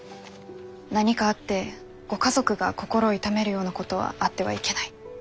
何かあってご家族が心を痛めるようなことはあってはいけない。